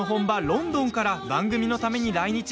ロンドンから番組のために来日。